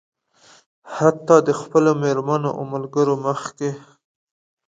حتيٰ د خپلو مېرمنو او ملګرو مخکې.